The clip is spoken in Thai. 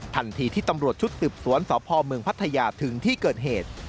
ทันทีที่ตำรวจชุดสืบสวนสพเมืองพัทยาถึงที่เกิดเหตุ